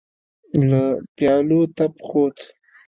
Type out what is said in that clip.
له پيالو تپ خوت.